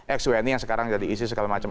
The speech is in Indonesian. ex wni yang sekarang jadi isis segala macam